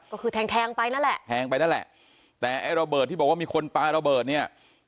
ก็คือแทงแทงไปนั่นแหละแทงไปนั่นแหละแต่ไอ้ระเบิดที่บอกว่ามีคนปลาระเบิดเนี่ย